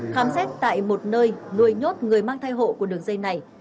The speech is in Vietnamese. khám xét tại một nơi nuôi nhốt người mang thai hộ của đường dây này